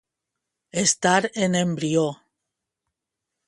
Estar en embrió.